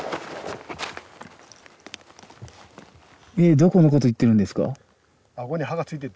えどこのこと言ってるんですか？